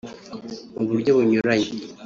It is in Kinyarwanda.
Mu buryo bunyuranye